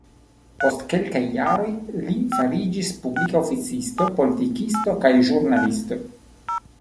Post kelkaj jaroj, li fariĝis publika oficisto, politikisto kaj ĵurnalisto.